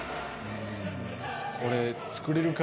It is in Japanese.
これ作れるか？